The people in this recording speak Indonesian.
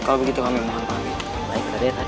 kalau begitu kami mohon panggil